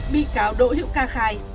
bị cáo đội hữu ca khai